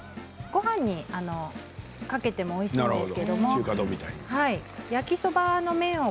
ごはんにかけてもおいしいんです。